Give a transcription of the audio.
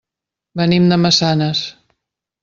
Venim de Massanes.